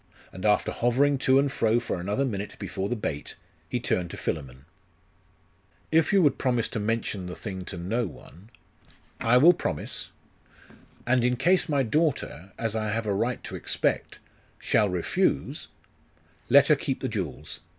And after hovering to and fro for another minute before the bait, he turned to Philammon. 'If you would promise to mention the thing to no one ' 'I will promise.' 'And in case my daughter, as I have a right to expect, shall refuse ' 'Let her keep the jewels.